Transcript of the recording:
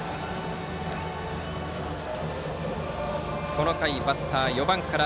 この回、バッターは４番から。